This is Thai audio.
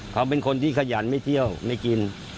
เขาเป็นคนที่ขยันไม่เที่ยวไม่กิน